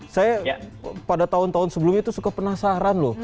saya pada tahun tahun sebelumnya itu suka penasaran loh